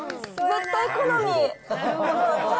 絶対好み。